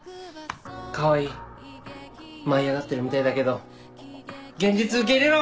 川合舞い上がってるみたいだけど現実受け入れろ！